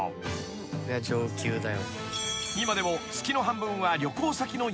［今でも］